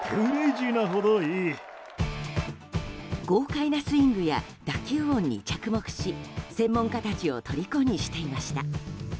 豪快なスイングや打球音に着目し専門家たちをとりこにしていました。